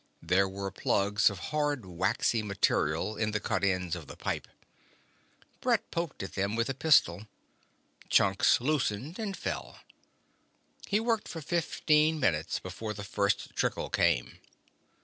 There were plugs of hard waxy material in the cut ends of the pipes. Brett poked at them with the pistol. Chunks loosened and fell. He worked for fifteen minutes before the first trickle came.